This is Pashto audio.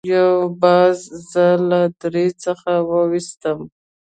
یو باز زه له درې څخه وویستم.